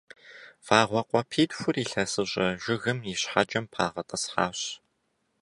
Вагъуэ къуапитхур илъэсыщӏэ жыгым и щхьэкӏэм пагъэтӏысхьащ.